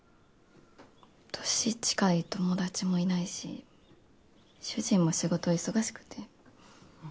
年近い友達もいないし主人も仕事忙しくて。